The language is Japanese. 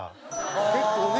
結構ね。